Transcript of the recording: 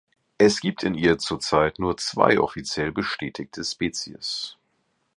Es gibt in ihr zurzeit nur zwei offiziell bestätigte Spezies.